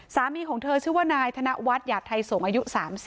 สามีของเธอชื่อว่านายธนวัฒน์หยาดไทยสงศ์อายุ๓๐